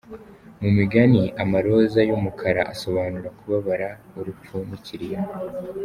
Mu migani amaroza y’umukara asobanura kubabara, urupfu n’ikiriyo.